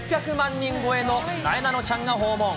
人超えのなえなのちゃんが訪問。